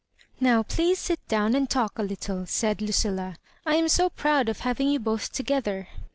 "Now, please sit down and talk a little," said Lucilla ;" I am so proud of having you both to gether.